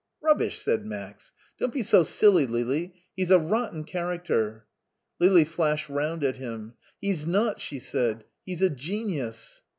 "Rubbish!" said Max. "Don't be so siUy, LiU; he's a rotten character." Lili flashed round at him. " He's not !" she said ;" he's a genius